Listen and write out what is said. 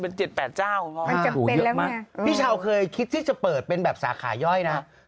มันจำเป็นแล้วพี่เช่าเคยคิดที่จะเปิดเป็นแบบสาขาย่อยนะ